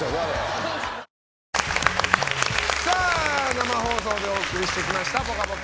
生放送でお送りしてきました「ぽかぽか」。